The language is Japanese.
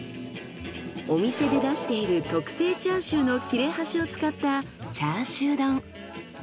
お店で出している特製チャーシューの切れ端を使ったチャーシュー丼。